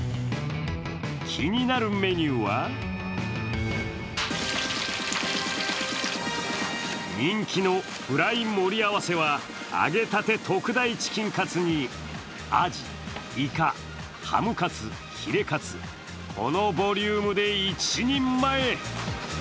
気になるメニューは人気のフライ盛り合わせは揚げたて特大チキンカツにアジ、イカ、ハムカツ、ヒレカツ、このボリュームで１人前。